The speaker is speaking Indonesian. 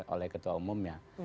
oleh ketua umumnya